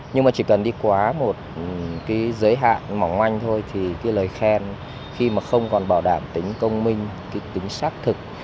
nhưng mà chỉ cần đi quá một cái giới hạn mỏng manh thôi thì cái lời khen khi mà không còn bảo đảm tính công minh tính xác thực